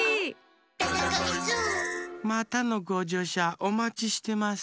「デテコイス」またのごじょうしゃおまちしてます。